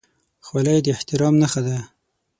خولۍ د احترام نښه ده.